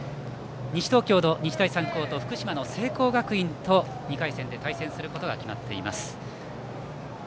西東京の日大三高と福島の聖光学院の勝者と２回戦で対戦することが決まっています。